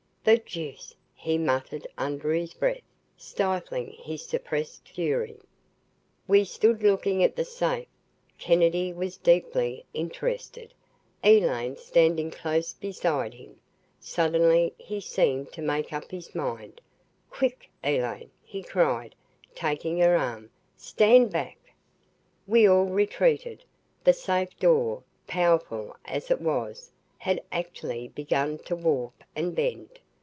"The deuce!" he muttered under his breath, stifling his suppressed fury. We stood looking at the safe. Kennedy was deeply interested, Elaine standing close beside him. Suddenly he seemed to make up his mind. "Quick Elaine!" he cried, taking her arm. "Stand back!" We all retreated. The safe door, powerful as it was, had actually begun to warp and bend.